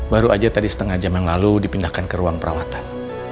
baru aja tadi setengah jam yang lalu dipindahkan ke ruang perawatan